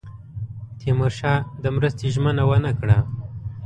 تیمورشاه د مرستې ژمنه ونه کړه.